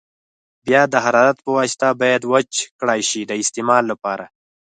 بیا د حرارت په واسطه باید وچ کړای شي د استعمال لپاره.